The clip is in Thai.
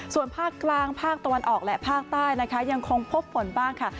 ส่วนภาคกลางภาคตะวันออกและภาคใต้นะคะยังคงพบฝนบ้างค่ะ